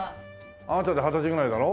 あなたで二十歳ぐらいだろ？